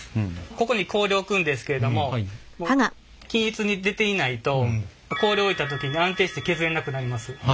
ここに氷置くんですけれども均一に出ていないと氷置いた時に安定して削れなくなります。